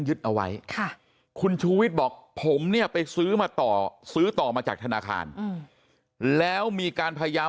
เอาไว้ค่ะคุณชูวิทย์บอกผมเนี่ยไปซื้อมาต่อซื้อต่อมาจากธนาคารแล้วมีการพยายาม